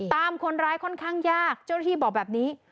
ตามคนร้ายค่อนข้างยากเจ้าหน้าที่บอกแบบนี้